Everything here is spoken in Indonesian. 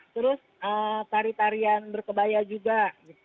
terus tari tarian berkebaya juga